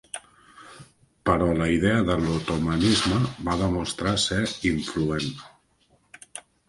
Però la idea de l'Otomanisme va demostrar ser influent.